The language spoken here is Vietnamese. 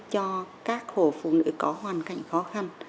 cho các hộ phụ nữ có hoàn cảnh khó khăn